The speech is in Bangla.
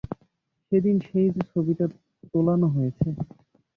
সেদিন সেই যে ছবিটা তোলানো হয়েছে।